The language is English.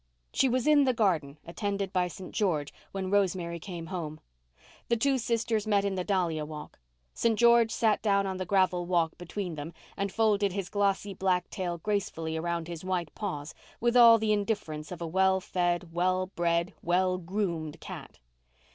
She was in the garden, attended by St. George, when Rosemary came home. The two sisters met in the dahlia walk. St. George sat down on the gravel walk between them and folded his glossy black tail gracefully around his white paws, with all the indifference of a well fed, well bred, well groomed cat.